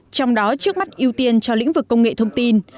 trong đó trước mắt ưu tiên cho lĩnh vực công nghệ thông tin